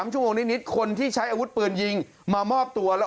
ชั่วโมงนิดคนที่ใช้อาวุธปืนยิงมามอบตัวแล้ว